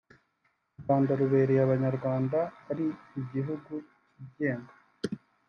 ‘U Rwanda rubereye Abanyarwanda ari igihugu cyigenga